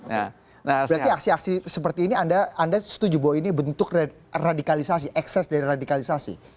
berarti aksi aksi seperti ini anda setuju bahwa ini bentuk radikalisasi ekses dari radikalisasi